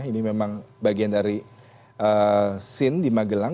ini memang bagian dari scene di magelang